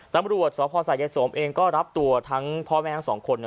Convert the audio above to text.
ตำรวจสพสายสมเองก็รับตัวทั้งพ่อแม่ทั้งสองคน